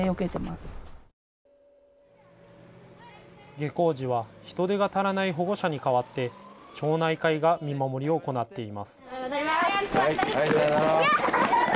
下校時は人手が足らない保護者に代わって町内会が見守りを行っています。